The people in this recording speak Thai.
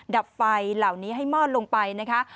ดับไฟเหล่านี้ให้มอดลงไปนะคะ